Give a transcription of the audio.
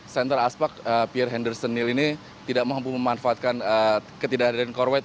center aspak pierre henderson neil ini tidak mampu memanfaatkan ketidakhadiran korea white